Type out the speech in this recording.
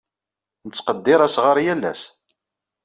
Nettqeddir asɣar yal ass.